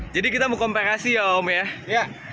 jadi kita mau kompensasi ya om ya